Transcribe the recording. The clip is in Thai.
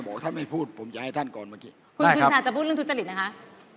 ท่านไม่พูดผมจะให้ท่านก่อนเมื่อกี้คุณพิธาจะพูดเรื่องทุจริตนะคะ